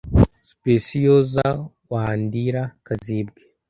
Specioza Wandira-Kazibwe